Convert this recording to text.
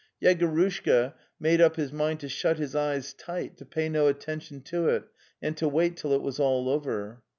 Yegorushka made up his mind to shut his eyes tight, to pay no attention to it, and to wait till it was all over.